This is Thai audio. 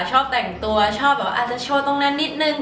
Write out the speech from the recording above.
ชอบแต่งตัวชอบแบบอาจจะโชว์ตรงนั้นนิดนึง